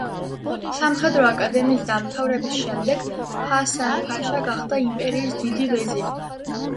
სამხედრო აკადემიის დამთავრების შემდეგ ჰასან-ფაშა გახდა იმპერიის დიდი ვეზირი.